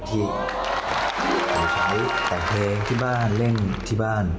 ที่ใช้แต่งเพลงที่บ้านเล่นที่บ้าน